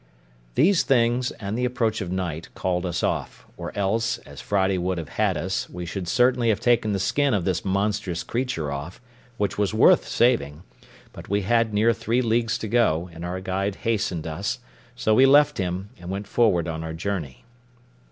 These things, and the approach of night, called us off, or else, as Friday would have had us, we should certainly have taken the skin of this monstrous creature off, which was worth saving; but we had near three leagues to go, and our guide hastened us; so we left him, and went forward on our journey.